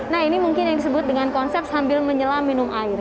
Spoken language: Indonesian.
nah ini mungkin yang disebut dengan konsep sambil menyelam minum air